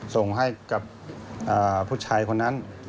ส่งให้กับผู้ชายคนนั้น